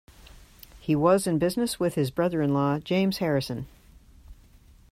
He was in business with his brother-in-law, James Harrison.